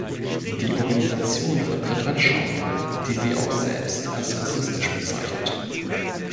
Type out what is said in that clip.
Die Organisation vertritt Anschauungen, die sie auch selbst als rassistisch bezeichnet.